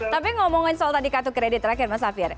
tapi ngomongin soal tadi kartu kredit terakhir mas safir